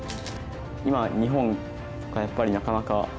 今日本とかやっぱりなかなか。